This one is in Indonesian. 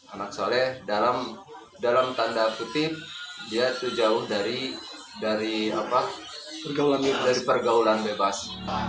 anak soleh dalam tanda kutip dia itu jauh dari pergaulan bebas